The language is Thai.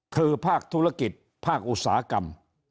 คือภาคธุรกิจภาคอุตสาหกรรม